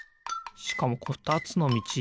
しかもこのふたつのみち